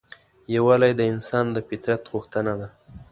یووالی د انسان د فطرت غوښتنه ده.